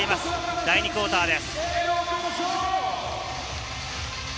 第２クオーターです。